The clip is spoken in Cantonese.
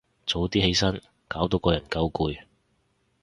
早啲起身，搞到個人夠攰